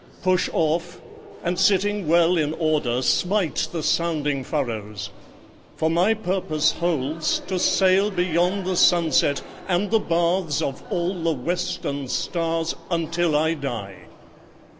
Push off, and sitting well in order smite The sounding furrows; for my purpose holds To sail beyond the sunset, and the baths Of all the western stars, until I die.